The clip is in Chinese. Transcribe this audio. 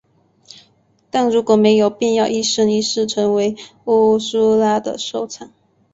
但如果没有便要一生一世成为乌苏拉的收藏。